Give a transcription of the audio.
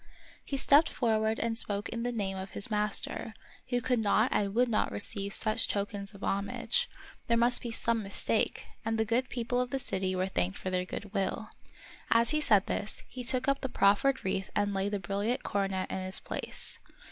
He stepped forward and spoke in the name of his master, who could not and would not receive such tokens of homage ; there must be some mistake; and the good people of the city were thanked for their good will. As he said this, he took up the proffered wreath and laid the brilliant coronet in its place.